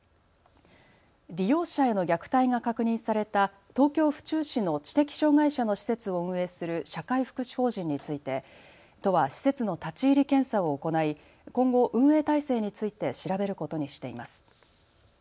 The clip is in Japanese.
利用者への虐待が確認された東京府中市の知的障害者の施設を運営する社会福祉法人について都は施設の立ち入り検査を行い今後、運営体制について調べることにしています。